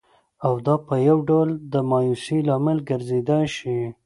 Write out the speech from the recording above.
او دا په یوه ډول د مایوسۍ لامل ګرځېدای شي